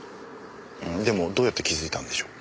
でもどうやって気づいたんでしょう？